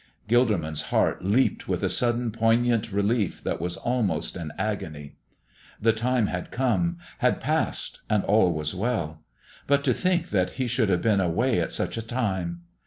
Gilderman's heart leaped with a sudden poignant relief that was almost an agony. The time had come had passed, and all was well; but to think that he should have been away at such a time!